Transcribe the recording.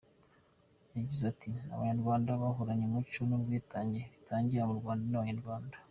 Yagize ati” Abanyarwanda bahoranye umuco w’ubwitange bitangira u Rwanda n’Abanyarwanda.